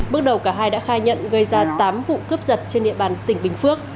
bước đầu cả hai đã khai nhận gây ra tám vụ cướp giật trên địa bàn tỉnh bình phước